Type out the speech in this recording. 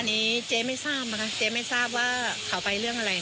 อันนี้เจ๊ไม่ทราบนะคะเจ๊ไม่ทราบว่าเขาไปเรื่องอะไร